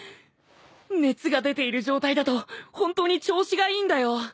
熱が出ている状態だと本当に調子がいいんだよ。